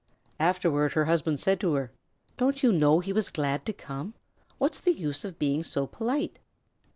Afterward her husband said to her, "Don't you know he was glad to come? What's the use of being so polite?"